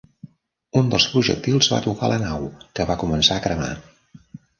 Un dels projectils va tocar la nau, que va començar a cremar.